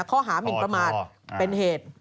ข้อหามินประมาทเป็นเหตุ